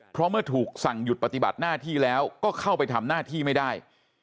เพราะเมื่อถูกสั่งหยุดปฏิบัติหน้าที่แล้วก็เข้าไปทำหน้าที่ไม่ได้